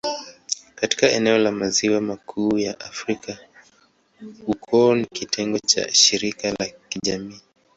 Katika eneo la Maziwa Makuu ya Afrika, ukoo ni kitengo cha shirika la kijamii.